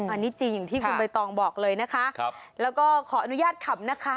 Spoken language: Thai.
อันนี้จริงอย่างที่คุณใบตองบอกเลยนะคะครับแล้วก็ขออนุญาตขำนะคะ